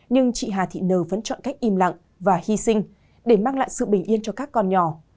nhưng chị hà thị nờ vẫn chọn cách im lặng và hy sinh để mang lại sự bình yên cho các con nhỏ